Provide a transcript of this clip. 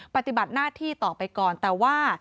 ปฏิบัติหน้าที่ต่อไปก่อนแต่ว่า